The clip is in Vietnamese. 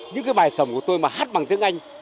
những bài sầm của tôi mà hát bằng tiếng anh